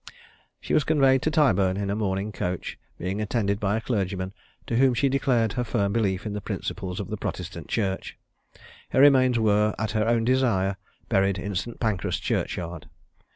She was conveyed to Tyburn in a mourning coach, being attended by a clergyman, to whom she declared her firm belief in the principles of the Protestant Church. Her remains were, at her own desire, buried in St. Pancras churchyard.